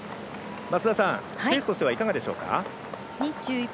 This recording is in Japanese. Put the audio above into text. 増田さん、ペースとしてはいかがでしょうか？